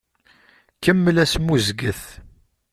Kemmel asmuzget!